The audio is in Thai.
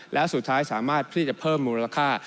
และสุดท้ายสามารถที่จะเพิ่มมูลค่า